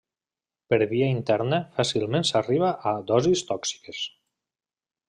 Per via interna fàcilment s'arriba a dosis tòxiques.